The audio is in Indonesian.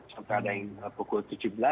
sampai ada yang pukul tujuh belas